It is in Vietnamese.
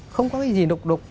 không có cái gì đục đục